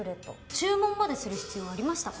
注文までする必要ありましたか？